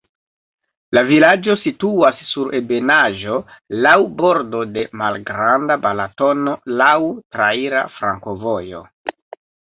La vilaĝo situas sur ebenaĵo, laŭ bordo de Malgranda Balatono, laŭ traira flankovojo.